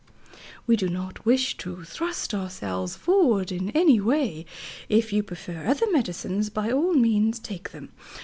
We do not wish to thrust ourselves forward in any way. If you prefer other medicines, by all means take them.